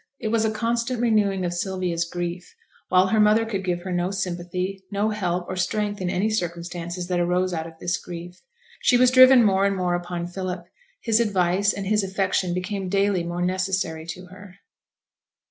It was a constant renewing of Sylvia's grief, while her mother could give her no sympathy, no help, or strength in any circumstances that arose out of this grief. She was driven more and more upon Philip; his advice and his affection became daily more necessary to her.